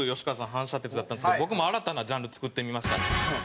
反射鉄だったんですけど僕も新たなジャンル作ってみました。